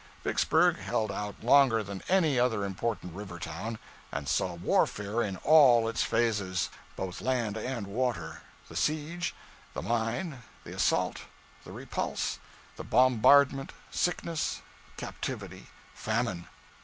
Vicksburg held out longer than any other important river town, and saw warfare in all its phases, both land and water the siege, the mine, the assault, the repulse, the bombardment, sickness, captivity, famine.